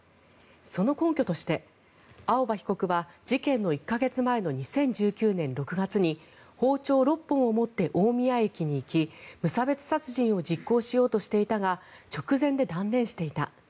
その根拠として青葉被告は事件の１か月前の２０１９年６月に包丁６本を持って大宮駅に行き無差別殺人を実行しようとしていたが直前で断念していた。